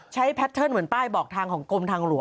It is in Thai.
แพทเทิร์นเหมือนป้ายบอกทางของกรมทางหลวง